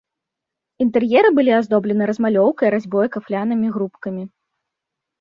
Інтэр'еры былі аздоблены размалёўкай, разьбой, кафлянымі грубкамі.